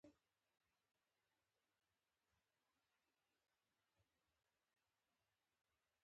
سوله د بشریت پر وړاندې یوه ارزښتمنه هڅه ده.